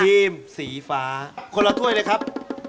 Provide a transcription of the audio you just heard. ทีมสีฟ้าคนละถ้วยเลยครับ